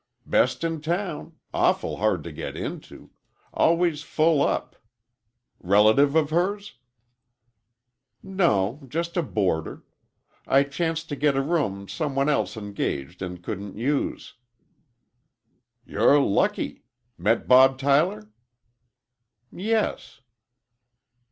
"Best in town. Awful hard to get into. Always full up. Relative of hers?" "No, just a boarder. I chanced to get a room some one else engaged and couldn't use." "You're lucky. Met Bob Tyler?" "Yes."